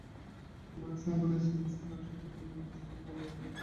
মনেই সঙ্কল্পের স্থিতি, সুতরাং সঙ্কল্পকে মূল বস্তু বলা ভুল।